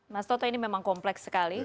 mas toto ini memang kompleks sekali